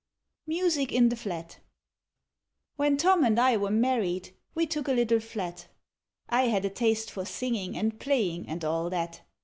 =Music In The Flat= When Tom and I were married, we took a little flat; I had a taste for singing and playing and all that.